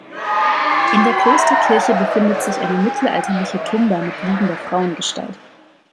In der Klosterkirche befindet sich eine mittelalterliche Tumba mit liegender Frauengestalt.